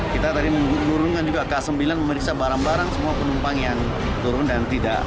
kita tadi menurunkan juga k sembilan memeriksa barang barang semua penumpang yang turun dan tidak